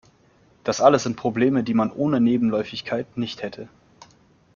Das alles sind Probleme, die man ohne Nebenläufigkeit nicht hätte.